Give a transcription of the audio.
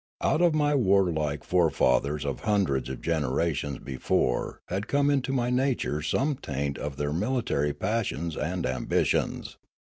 Out of my warlike forefathers of hundreds of generations be fore had come into my nature some taint of their mili tary passions and ambitions.